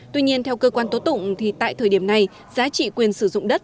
tuy nhiên theo cơ quan tố tụng thì tại thời điểm này giá trị quyền sử dụng đất